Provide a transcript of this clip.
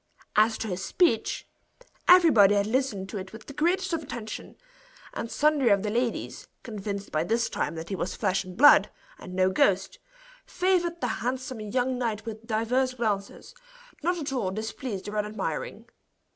As to his speech, everybody had listened to it with the greatest of attention; and sundry of the ladies, convinced by this time that he was flesh and blood, and no ghost, favored the handsome young knight with divers glances, not at all displeased or unadmiring.